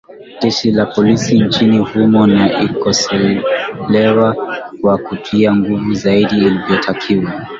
jeshi la polisi nchini humo na limekosolewa kwa kutumia nguvu zaidi ilivyotakiwa